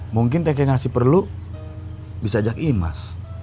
mungkin teh kinasi perlu bisa ajak imas